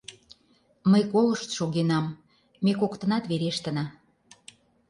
Мый колышт шогенам... ме коктынат верештына...